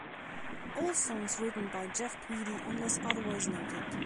All songs written by Jeff Tweedy unless otherwise noted.